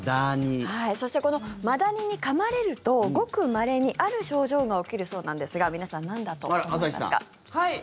そして、このマダニにかまれるとごくまれにある症状が起きるそうなんですが皆さん、なんだと思いますか？